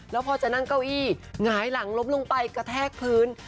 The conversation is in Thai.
แล้วพอจะนั่งเก้าอี้หงายหลังล้มลงไปกระแทกพื้น